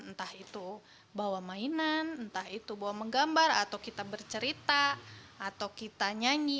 entah itu bawa mainan entah itu bawa menggambar atau kita bercerita atau kita nyanyi